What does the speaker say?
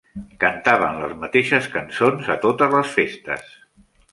Cantaven les mateixes cançons a totes les festes.